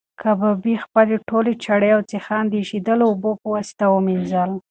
کبابي خپلې ټولې چړې او سیخان د ایشېدلو اوبو په واسطه ومینځل.